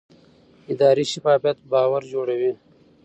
اداري شفافیت باور جوړوي